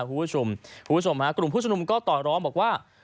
ผู้ชมกลุ่มผู้ชมนุมก็ต่อร้องบอกว่า